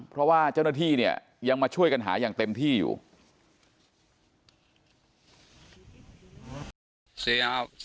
เพราะว่าเจ้าหน้าที่เนี่ยยังมาช่วยกันหาอย่างเต็มที่อยู่